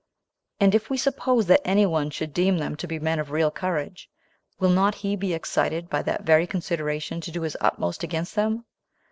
and if we suppose that any one should deem them to be men of real courage, will not he be excited by that very consideration to do his utmost against them?